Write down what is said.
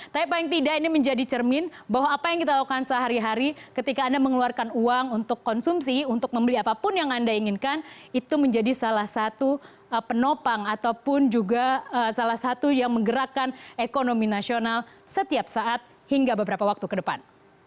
tapi paling tidak ini menjadi cermin bahwa apa yang kita lakukan sehari hari ketika anda mengeluarkan uang untuk konsumsi untuk membeli apapun yang anda inginkan itu menjadi salah satu penopang ataupun juga salah satu yang menggerakkan ekonomi nasional setiap saat hingga beberapa waktu ke depan